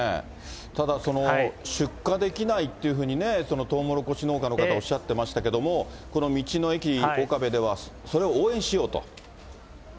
ただ、出荷できないっていうふうに、とうもろこし農家の方、おっしゃってましたけども、この道の駅おかべでは、それを応援しようと。